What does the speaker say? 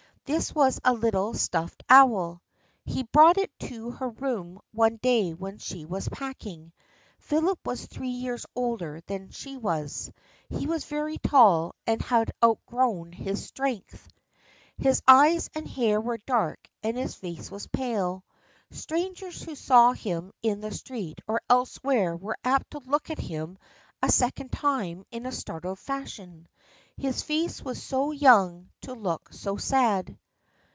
This was a little stuffed owl. He brought it to her room one day when she was packing. Philip was three years older than she was. He was very tall and had out grown his strength. His eyes and hair were dark and his face was pale. Strangers who saw him in the street or elsewhere were apt to look at him a second time in a startled fashion. His face was so young to look so sad.